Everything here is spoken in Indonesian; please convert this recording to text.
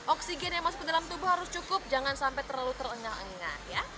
oksigen yang masuk ke dalam tubuh harus cukup jangan sampai terlalu terengah engah ya